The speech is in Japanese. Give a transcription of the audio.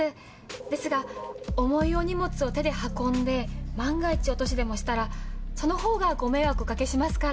ですが重いお荷物を手で運んで万が一落としでもしたらそのほうがご迷惑をお掛けしますから。